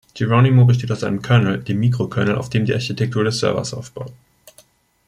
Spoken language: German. Geronimo besteht aus einem Kernel, dem Mikrokernel, auf dem die Architektur des Servers aufbaut.